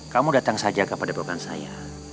kamu datang saja kepada beban saya